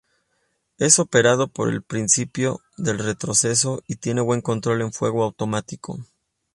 Es operado por el principio del retroceso y tiene buen control en fuego automático.